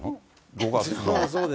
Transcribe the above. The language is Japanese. ５月の。